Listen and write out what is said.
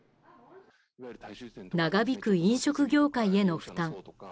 長引く飲食業界への負担。